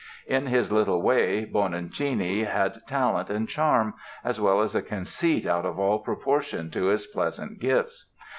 In his little way Bononcini had talent and charm, as well as a conceit out of all proportion to his pleasant gifts.